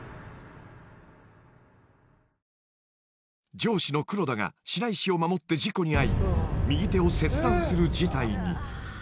［上司の黒田が白石を守って事故に遭い右手を切断する事態に］